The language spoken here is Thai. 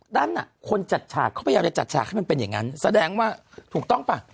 นั่นน่ะคนจัดฉากเขาพยายามจะจัดฉากให้มันเป็นอย่างนั้นแสดงว่าถูกต้องป่ะ